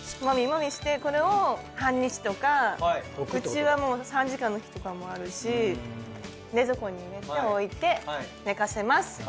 揉み揉みしてこれを半日とかうちはもう３時間の日とかもあるし冷蔵庫に入れて置いて寝かせます。